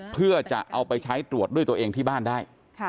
เพื่อจะเอาไปใช้ตรวจด้วยตัวเองที่บ้านได้